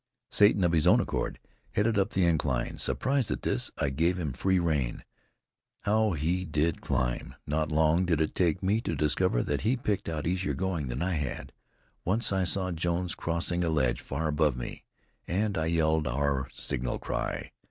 Satan, of his own accord, headed up the incline. Surprised at this, I gave him free rein. How he did climb! Not long did it take me to discover that he picked out easier going than I had. Once I saw Jones crossing a ledge far above me, and I yelled our signal cry.